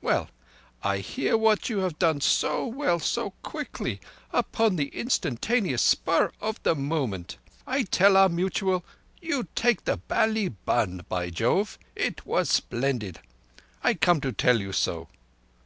Well, there I hear what you have done so well, so quickly, upon the instantaneous spur of the moment. I tell our mutual you take the bally bun, by Jove! It was splendid. I come to tell you so."